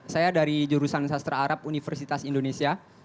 saya dari jurusan sastra arab universitas indonesia